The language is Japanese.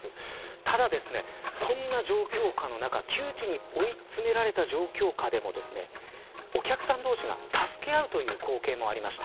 ただ、そんな状況下の中窮地に追い詰められた状況下でもお客さん同士が助け合うという光景もありました。